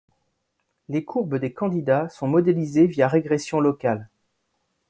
Les courbes des candidats sont modélisées via régression locale.